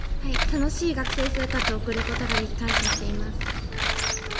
楽しい学生生活を送ることができ、感謝しています。